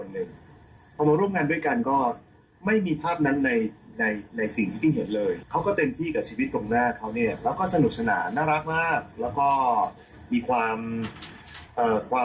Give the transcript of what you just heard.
มีความเป็นกันเองมีความเป็นอะไรดีเป็นแตงโมที่พร้อมทำให้ทุกคนมีความสุขที่อยู่รอบข้างเขา